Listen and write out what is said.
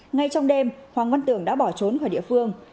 ngay trong đêm hoàng văn tưởng đã bỏ trốn khỏi nhà